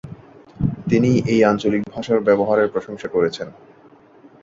তিনি এই আঞ্চলিক ভাষার ব্যবহারের প্রশংসা করেছেন।